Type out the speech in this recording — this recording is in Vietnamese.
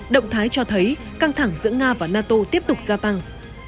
động thái cho thấy căng thẳng giữa nga và nato tiếp tục gia tăng